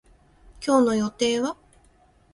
今日の予定は